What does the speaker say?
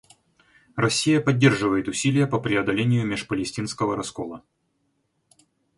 Россия поддерживает усилия по преодолению межпалестинского раскола.